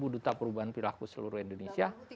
delapan puluh tiga duta perubahan pilaku seluruh indonesia